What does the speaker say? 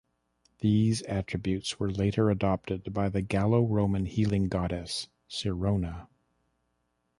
These attributes were later adopted by the Gallo-Roman healing goddess, Sirona.